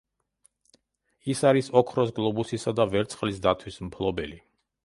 ის არის ოქროს გლობუსისა და ვერცხლის დათვის მფლობელი.